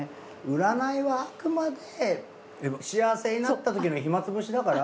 占いはあくまで幸せになったときの暇潰しだから。